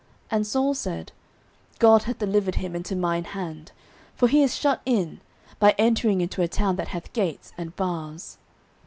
And Saul said, God hath delivered him into mine hand; for he is shut in, by entering into a town that hath gates and bars.